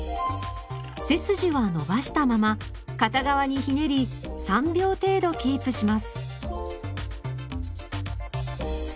背筋は伸ばしたまま片側にひねり３秒程度キープします。